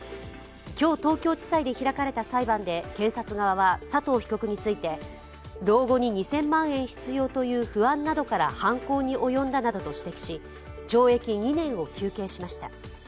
今日、東京地裁で開かれた裁判で検察側は佐藤被告について、老後に２０００万円必要という不安などから犯行に及んだなどと指摘し、懲役２年を求刑しました。